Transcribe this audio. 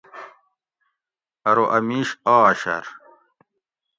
ارو اۤ میش آش ار